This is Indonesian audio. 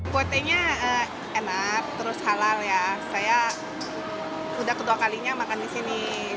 kuotie nya enak terus halal ya saya sudah kedua kalinya makan di sini